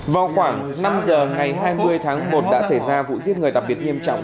vào khoảng năm giờ ngày hai mươi tháng một đã xảy ra vụ giết người đặc biệt nghiêm trọng